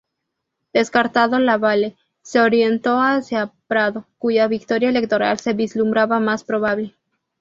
Descartado Lavalle, se orientó hacia Prado, cuya victoria electoral se vislumbraba más probable.